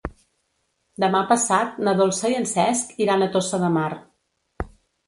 Demà passat na Dolça i en Cesc iran a Tossa de Mar.